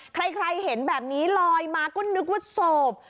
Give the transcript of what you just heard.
ใครเห็นแบบนี้ลอยมาก็นึกว่าโศก